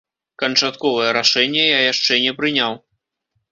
Канчатковае рашэнне я яшчэ не прыняў.